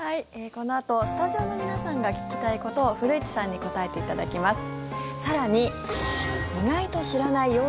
このあとスタジオの皆さんが聞きたいことを古市さんに答えていただきます。